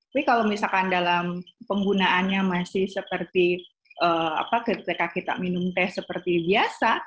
tapi kalau misalkan dalam penggunaannya masih seperti ketika kita minum teh seperti biasa